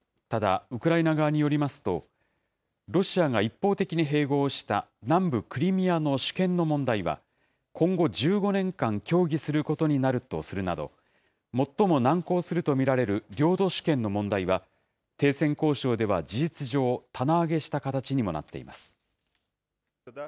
ただ、ウクライナ側によりますと、ロシアが一方的に併合した南部クリミアの主権の問題は、今後１５年間協議することになるとするなど、最も難航すると見られる領土主権の問題は、停戦交渉では事実上、棚上げした形にもなっています。